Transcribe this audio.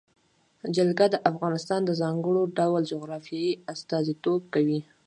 جلګه د افغانستان د ځانګړي ډول جغرافیه استازیتوب کوي.